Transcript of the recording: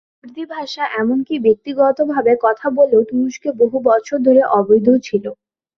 কুর্দি ভাষা, এমনকি ব্যক্তিগতভাবে কথা বললেও, তুরস্কে বহু বছর ধরে অবৈধ ছিল।